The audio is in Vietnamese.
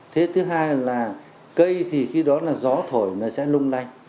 thế thứ hai là cây thì khi đó là gió thổi nó sẽ lung lay